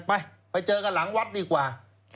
ไปไปเจอกันหลังวัดดีกว่า